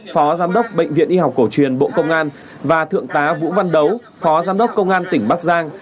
phó giám đốc bệnh viện y học cổ truyền bộ công an và thượng tá vũ văn đấu phó giám đốc công an tỉnh bắc giang